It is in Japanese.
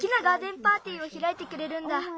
ガーデンパーティーをひらいてくれるんだ。